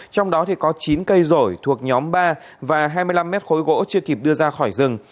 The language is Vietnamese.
trong đó có chín cây rổi thuộc nhóm ba và hai mươi năm mét khối gỗ chưa kịp đưa ra khỏi rừng